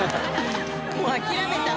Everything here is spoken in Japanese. もう諦めた。